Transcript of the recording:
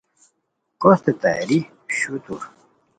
کوستے تیاری شوتور